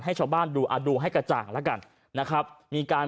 ให้ชาวบ้านดูอ่ะดูให้กระจ่างแล้วกันนะครับมีการ